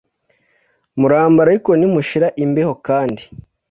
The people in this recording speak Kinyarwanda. murambara ariko ntimushira imbeho kandi